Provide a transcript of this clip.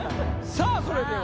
さあそれでは。